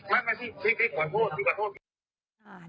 ไม่พี่ขอโทษ